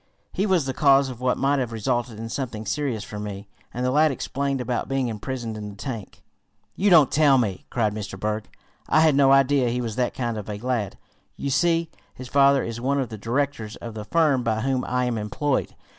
"He was the cause of what might have resulted in something serious for me," and the lad explained about being imprisoned in the tank. "You don't tell me!" cried Mr. Berg. "I had no idea he was that kind of a lad. You see, his father is one of the directors of the firm by whom I am employed.